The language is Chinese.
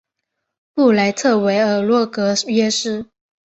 布雷特维尔洛格约斯。